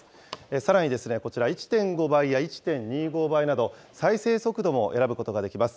さらにですね、こちら、１．５倍や１．２５倍など、再生速度も選ぶことができます。